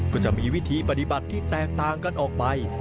ก็จะมีวิธีปฏิบัติที่แตกต่างกันออกไป